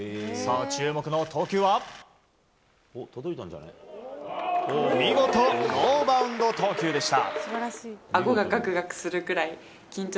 注目の投球は見事、ノーバウンド投球でした。